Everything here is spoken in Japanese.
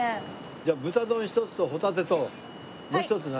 じゃあ豚丼１つとホタテともう１つ何？